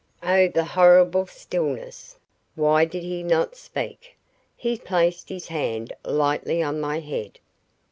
Oh, the horrible stillness! Why did he not speak? He placed his hand lightly on my head.